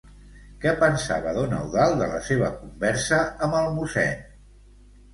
Què pensava don Eudald de la seva conversa amb el mossèn?